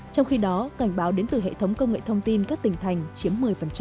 trong khi đó cảnh báo đến từ hệ thống công nghệ thông tin các tỉnh thành chiếm một mươi